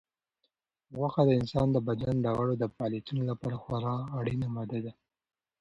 غوښه د انسان د بدن د غړو د فعالیتونو لپاره خورا اړینه ماده ده.